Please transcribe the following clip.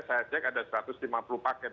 saya cek ada satu ratus lima puluh paket